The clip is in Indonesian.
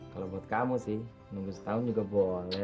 kalau buat kamu sih nunggu setahun juga boleh